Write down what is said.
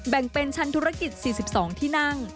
แบ่งเป็นชั้นธุรกิจ๔๒ที่นั่ง